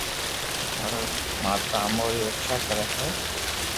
ماري ماتا اموري رڪݾہ ڪري ھي